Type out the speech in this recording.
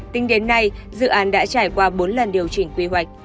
tính đến nay dự án đã trải qua bốn lần điều chỉnh quy hoạch